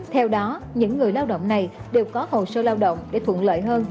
theo đó những người lao động này đều có hồ sơ lao động để thuận lợi hơn